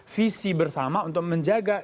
visi bersama untuk menjaga